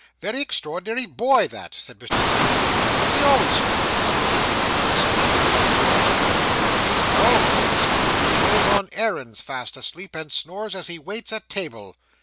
'Very extraordinary boy, that,' said Mr. Pickwick; 'does he always sleep in this way?' 'Sleep!' said the old gentleman, 'he's always asleep. Goes on errands fast asleep, and snores as he waits at table.